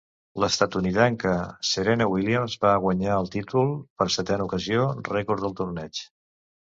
L'estatunidenca Serena Williams va guanyar el títol per setena ocasió, rècord del torneig.